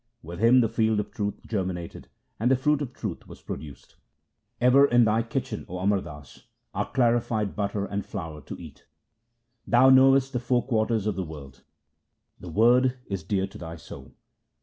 With him the field of truth germinated and the fruit of truth was produced. Ever in thy kitchen, O Amar Das, are clarified butter and flour to eat. Thou knowest the four quarters of the world ; the Word is dear to thy soul.